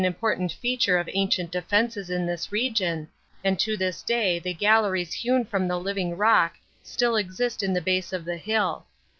important feature of ancient defenses in this region and to this day the galleries hewn from the living rock still exist in the base of the hill.